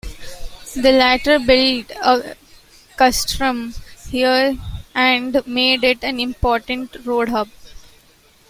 The latter built a "castrum" here and made it an important road hub.